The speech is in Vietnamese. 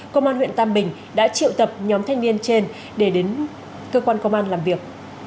công an huyện tam bình đã triệu tập nhóm thanh niên trên để đến cơ quan công an làm việc